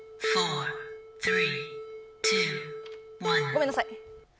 ごめんなさい。